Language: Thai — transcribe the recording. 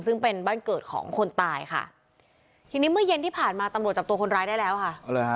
ซึ่งเป็นบ้านเกิดของคนตายค่ะทีนี้เมื่อเย็นที่ผ่านมาตำรวจจับตัวคนร้ายได้แล้วค่ะ